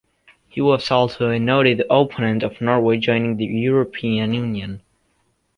He was also a noted opponent of Norway joining the European Union.